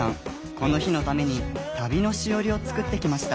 この日のために旅のしおりを作ってきました。